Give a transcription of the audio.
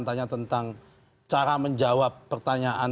tanya tentang cara menjawab pertanyaan